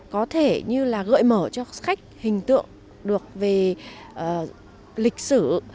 có thể như là gợi mở cho khách hình tượng được về lịch sử